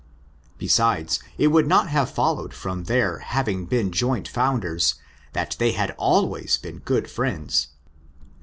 Besides, it would not have followed from their having been joint founders that they had always been good friends.